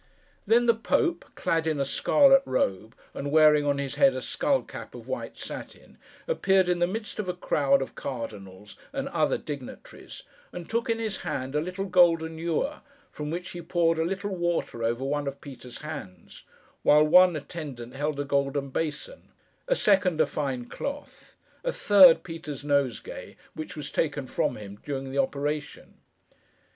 Then, the Pope, clad in a scarlet robe, and wearing on his head a skull cap of white satin, appeared in the midst of a crowd of Cardinals and other dignitaries, and took in his hand a little golden ewer, from which he poured a little water over one of Peter's hands, while one attendant held a golden basin; a second, a fine cloth; a third, Peter's nosegay, which was taken from him during the operation.